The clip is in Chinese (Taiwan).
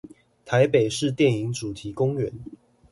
臺北市電影主題公園